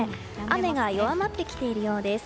雨が弱まってきているようです。